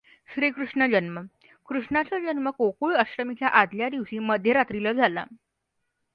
श्रीकृष्ण जन्म, कृष्णाचा जन्म गोकुळ अष्टमीच्या आधल्या दिवशी मध्यरात्रीला झाला.